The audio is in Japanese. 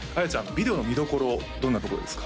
ビデオの見どころどんなところですか？